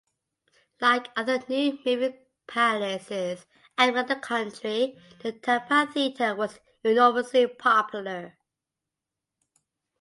Like other new movie palaces around the country, the Tampa Theatre was enormously popular.